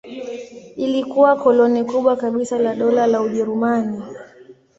Ilikuwa koloni kubwa kabisa la Dola la Ujerumani.